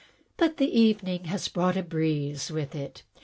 But the evening has brought a breeze with it.